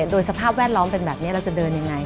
โดยสภาพแวดล้อมเป็นแบบนี้เราจะเดินยังไง